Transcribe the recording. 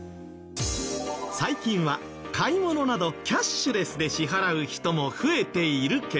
最近は買い物などキャッシュレスで支払う人も増えているけど。